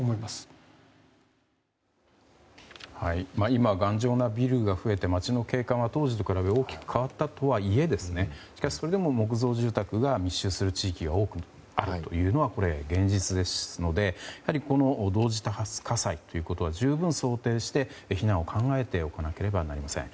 今、頑丈なビルが増えて街の景観は当時と比べ大きく変わったとはいえしかし、それでも木造住宅が密集する地域が多くあるというのが現実ですのでこの同時多発火災ということは十分、想定して、避難を考えておかなければなりません。